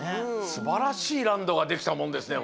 すばらしいランドができたもんですね